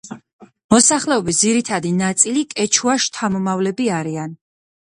მოსახლეობის ძირითადი ნაწილი კეჩუას შთამომავლები არიან.